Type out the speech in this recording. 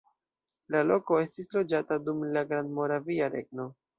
La loko estis loĝata dum la Grandmoravia Regno.